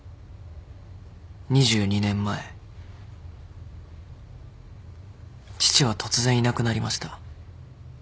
２２年前父は突然いなくなりました。